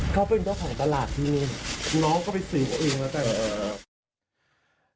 เขาเป็นเจ้าของตลาดที่นี่น้องก็ไปซื้อเขาเองแล้วแต่